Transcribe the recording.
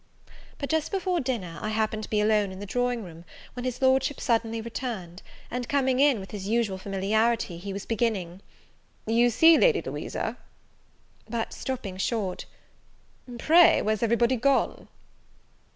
But, just before dinner, I happened to be alone in the drawing room, when his Lordship suddenly returned; and, coming in with his usual familiarity, he was beginning, "You see, Lady Louisa, " but stopping short, "Pray, where's every body gone?"